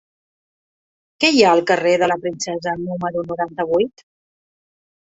Què hi ha al carrer de la Princesa número noranta-vuit?